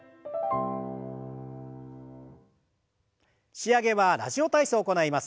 仕上げは「ラジオ体操」を行います。